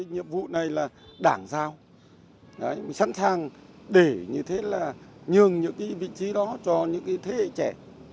nhiệm vụ này là đảng giao sẵn sàng để như thế là nhường những vị trí đó cho những thế hệ trẻ